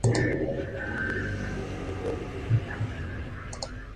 Así, el homicidio y las lesiones físicas eran delitos bastante caros.